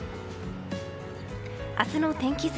明日の天気図。